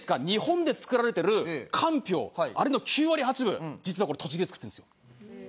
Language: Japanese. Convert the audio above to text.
日本で作られてるかんぴょうあれの９割８分実はこれ栃木で作ってるんですよ。